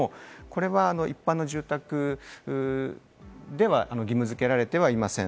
これは一般の住宅では義務付けられてはいません。